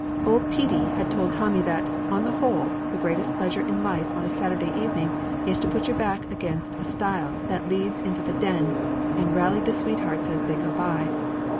Old Petey had told Tommy that, on the whole, the greatest pleasure in life on a Saturday evening is to put your back against a stile that leads into the Den and rally the sweethearts as they go by.